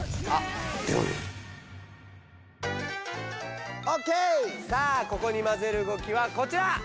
さあここにまぜる動きはこちら！